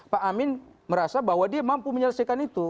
pak amin merasa bahwa dia mampu menyelesaikan itu